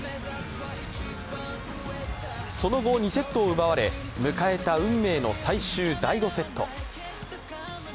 その後、２セットを奪われ迎えた運命の最終第５セット。